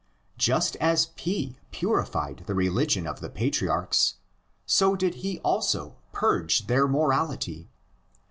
Just as P purified the religion of the patriarchs, so did he also purge their morality.